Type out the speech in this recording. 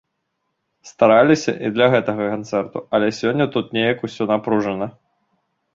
Стараліся і для гэтага канцэрту, але сёння тут неяк усё напружана.